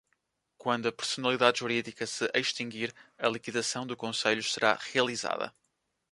Quando a personalidade jurídica se extinguir, a liquidação do Conselho será realizada.